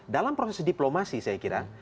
dalam proses diplomasi saya kira